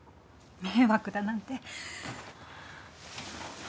迷惑だなんて。